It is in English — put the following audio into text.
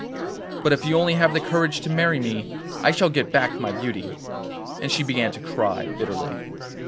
But if you only have the courage to marry me I shall get back my beauty.' And she began to cry bitterly.